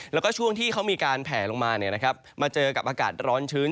แล้วก็ช่วงที่เขามีการแผลลงมามาเจอกับอากาศร้อนชื้น